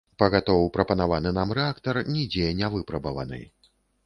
Пагатоў, прапанаваны нам рэактар нідзе не выпрабаваны.